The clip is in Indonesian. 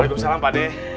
waalaikumsalam pak deh